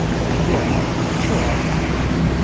Yah? Acuɣer?